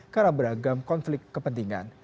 karena beragam konflik kepentingan